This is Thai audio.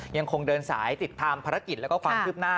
ยังคงเดินสายติดตามภารกิจแล้วก็ความคืบหน้า